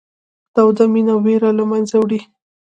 توده مینه وېره له منځه وړي.